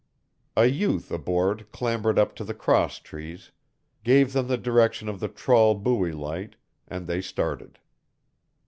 A youth aboard clambered up to the cross trees, gave them the direction of the trawl buoy light, and they started.